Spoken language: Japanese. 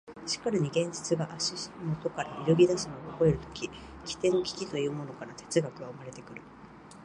しかるに現実が足下から揺ぎ出すのを覚えるとき、基底の危機というものから哲学は生まれてくる。